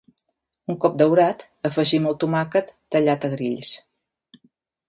Un cop daurat, afegim el tomàquet tallat a grills.